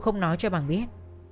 không nói cho bằng biết